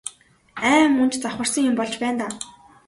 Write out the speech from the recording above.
Ай мөн ч завхарсан юм болж байна даа.